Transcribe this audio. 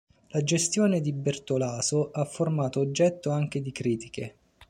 La gestione di Bertolaso ha formato oggetto anche di critiche.